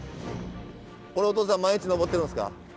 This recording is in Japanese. これおとうさん毎日登ってるんですか？